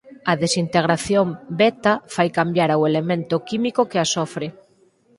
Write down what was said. A desintegración beta fai cambiar ao elemento químico que a sofre.